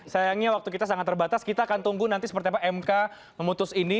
sayangnya waktu kita sangat terbatas kita akan tunggu nanti seperti apa mk memutus ini